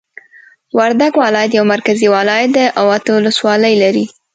وردګ ولایت یو مرکزی ولایت دی او اته ولسوالۍ لری